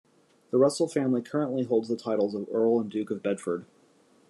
The Russell family currently holds the titles of Earl and Duke of Bedford.